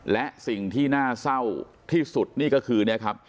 และสิ่งที่น่าเศร้าที่สุดนี่ก็คือ